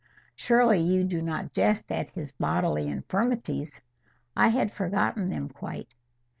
"Surely you do not jest at his bodily infirmities?" "I had forgotten them quite."